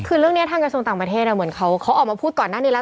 คือเรื่องนี้ทางกระทรวงต่างประเทศเหมือนเขาออกมาพูดก่อนหน้านี้แล้ว